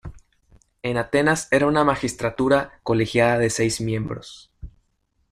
En Atenas era una magistratura colegiada de seis miembros.